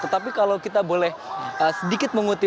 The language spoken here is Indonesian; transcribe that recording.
tetapi kalau kita boleh sedikit mengutip